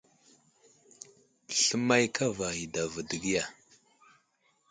Sləmay kava i adavo dəgiya.